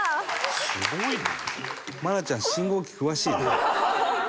すごいね。